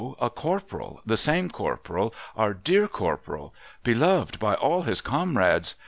A Corporal, the same Corporal, our dear Corporal. Beloved by all his comrades.